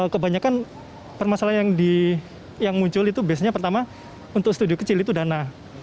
kebanyakan permasalahan yang muncul itu biasanya pertama untuk studio kecil itu dana